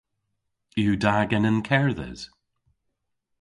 Yw da genen kerdhes?